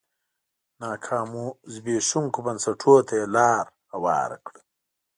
ناکامو زبېښونکو بنسټونو ته یې لار هواره کړه.